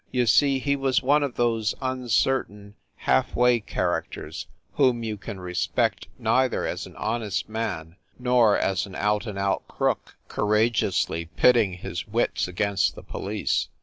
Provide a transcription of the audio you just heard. You see, he was one of those uncertain, half way char acters whom you can respect neither as an honest man nor as an out and out crook courageously pit ting his wits against the police.